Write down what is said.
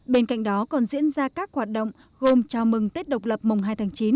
bên cạnh đó còn diễn ra các hoạt động gồm chào mừng tết độc lập mùng hai tháng chín